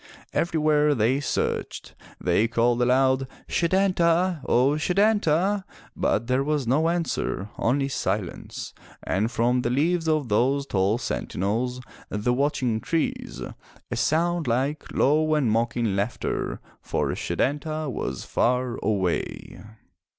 Everywhere they searched. They called aloud, "Setanta! O Setanta!" But there was no answer, only silence, and from the leaves of those tall sentinels, the watching trees, a sound like low and mocking laughter — for Setanta was far away!